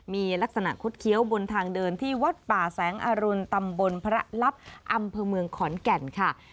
มีลักษณะคุดเคี้ยวบนทางเดินที่วัดป่าแสงอรุณตำบลพระลับอำเภอเมืองขอนแก่นค่ะ